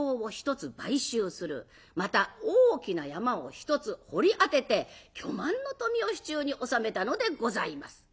また大きな山を一つ掘り当てて巨万の富を手中に収めたのでございます。